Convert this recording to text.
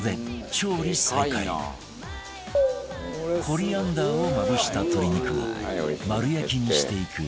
コリアンダーをまぶした鶏肉を丸焼きにしていく